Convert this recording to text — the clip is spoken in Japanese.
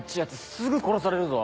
すぐ殺されるぞ？